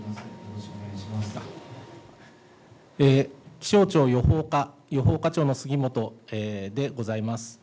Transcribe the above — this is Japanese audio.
気象庁予報課予報課長の杉本でございます。